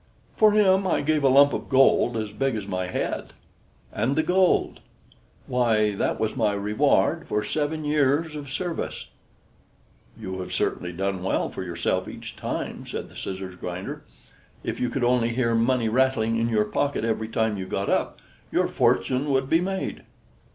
"For him I gave a lump of gold as big as my head." "And the gold?" "Why, that was my reward for seven years of service." "You have certainly done well for yourself each time," said the scissors grinder. "If you could only hear money rattling in your pocket every time you got up, your fortune would be made."